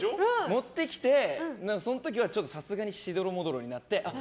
持ってきて、その時はさすがにしどろもどろになってあ。